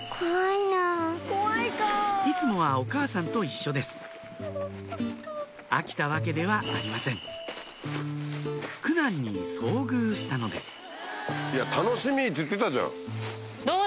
いつもはお母さんと一緒です飽きたわけではありません苦難に遭遇したのです「楽しみ」って言ってたじゃん！